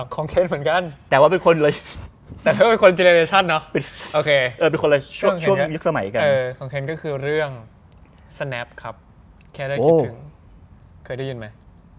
ของเคนเหมือนกันแต่ว่าเป็นคนรายชาติเนอะโอเคของเคนก็คือเรื่องสแนปครับแค่ได้คิดถึงเคยได้ยินไหม